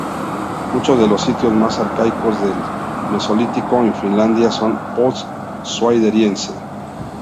Muchos de los sitios más arcaicos del Mesolítico en Finlandia son post-Swideriense.